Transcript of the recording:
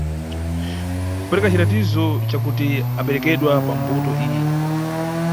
Kupereka ciratizo cakuti aberekedwa pambuto iyi.